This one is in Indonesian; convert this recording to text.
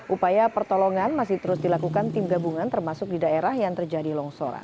upaya pertolongan masih terus dilakukan tim gabungan termasuk di daerah yang terjadi longsoran